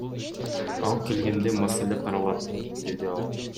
Ал келгенде маселе каралат, — деди ал.